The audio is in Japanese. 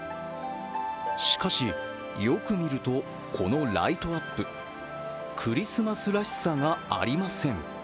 しかし、よく見るとこのライトアップ、クリスマスらしさがありません。